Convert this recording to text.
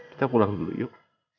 kita pulang dulu yuk